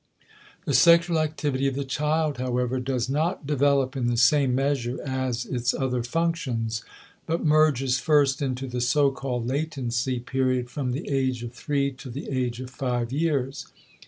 The sexual activity of the child, however, does not develop in the same measure as its other functions, but merges first into the so called latency period from the age of three to the age of five years.